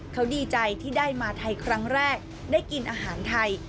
เขาดีใจที่ได้มาไทยครั้งแรกได้กินอาหารไทย